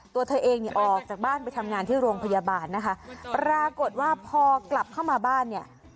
ตัวเธอเองเนี่ยออกจากบ้านไปทำงานที่โรงพยาบาลนะคะปรากฏว่าพอกลับเข้ามาบ้านเนี่ย